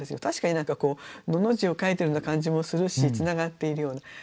確かに何かこう「の」の字を書いてるような感じもするしつながっているような。